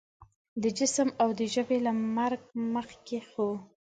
د جسم او د ژبې له مرګ مخکې خو